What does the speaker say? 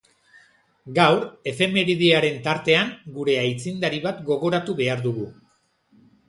Gaur efemeridearen tartean, gure aitzindari bat gogoratu behar dugu.